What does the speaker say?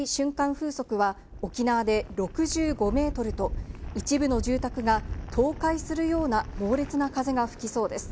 風速は沖縄で６５メートルと、一部の住宅が倒壊するような猛烈な風が吹きそうです。